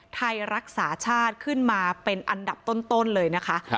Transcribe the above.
ไทยรักษาชาติขึ้นมาเป็นอันดับต้นเลยนะคะ